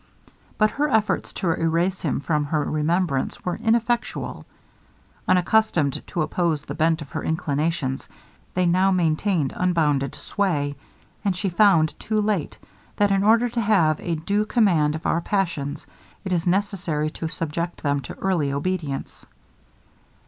But her efforts to erase him from her remembrance were ineffectual. Unaccustomed to oppose the bent of her inclinations, they now maintained unbounded sway; and she found too late, that in order to have a due command of our passions, it is necessary to subject them to early obedience.